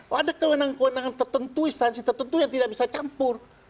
ada kewenangan kewenangan tertentu instansi tertentu yang tidak bisa campur